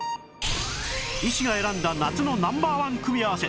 医師が選んだ夏の Ｎｏ．１ 組み合わせ！